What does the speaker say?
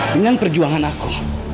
dengan perjuangan aku